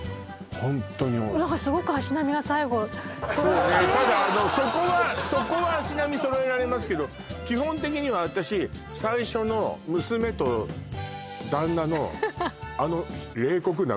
ホントに何かすごく足並みが最後揃ってそうねただそこはそこは足並み揃えられますけど基本的には私最初の娘と旦那のあの冷酷な目を忘れられません